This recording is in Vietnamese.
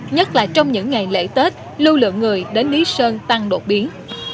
nhất là trong những ngày lễ tết lưu lượng người đến lý sơn tăng đột biến